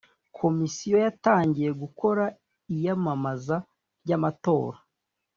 Komisiyo yatangiye gukora iyamamaza ry’amatora